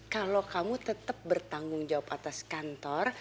kalau kamu tetap bertanggung jawab atas kantor